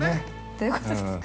◆どういうことですか。